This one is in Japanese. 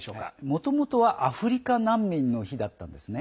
もともとはアフリカ難民の日だったんですね。